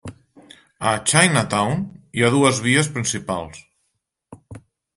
Ha Chinatown, hi ha dues vies principals.